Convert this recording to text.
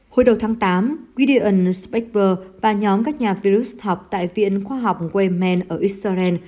hồi đầu tháng tám gideon speckberg và nhóm các nhà virus học tại viện khoa học weyman ở israel